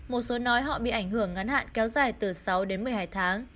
một số nói họ bị ảnh hưởng ngắn hạn kéo dài từ sáu đến một mươi hai tháng